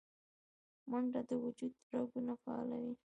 منډه د وجود رګونه فعالوي